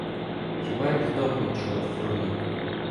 Хіба як здохне чорт в рові!